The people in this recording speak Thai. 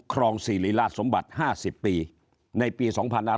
ครองสิริราชสมบัติ๕๐ปีในปี๒๕๕๙